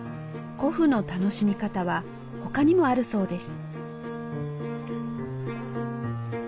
古布の楽しみ方は他にもあるそうです。